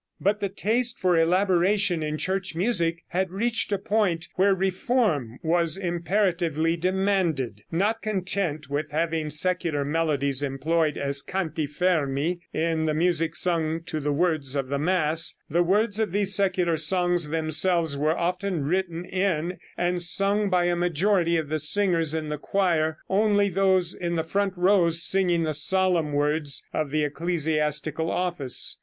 But the taste for elaboration in church music had reached a point where reform was imperatively demanded. Not content with having secular melodies employed as canti fermi in the music sung to the words of the mass, the words of these secular songs themselves were often written in and sung by a majority of the singers in the choir, only those in the front rows singing the solemn words of the ecclesiastical office.